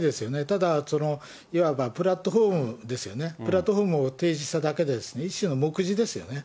ただ、いわばプラットフォームですよね、プラットホームを提示しただけで、一種の目次ですよね。